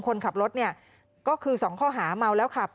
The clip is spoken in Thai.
คนขับรถเนี่ยก็คือ๒ข้อหาเมาแล้วขับ